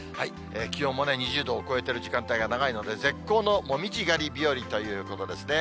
気温もね、２０度を超えている時間帯が長いので、絶好の紅葉狩り日和ということですね。